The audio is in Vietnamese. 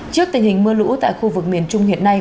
trước tình hình mưa lũ tại khu vực miền trung hiện nay